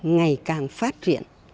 ngày càng phát triển